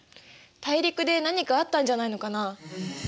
大陸で何かあったんじゃないのかな？